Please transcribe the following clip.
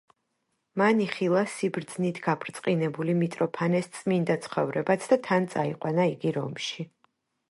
მან იხილა სიბრძნით გაბრწყინებული მიტროფანეს წმიდა ცხოვრებაც და თან წაიყვანა იგი რომში.